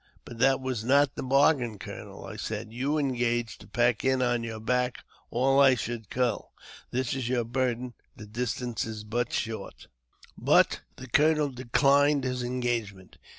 "But that was not the bargain, colonel," I said; "you engaged to pack in on your back all I should kill. There is your burden ; the distance is but short." But the colonel declined his engagement.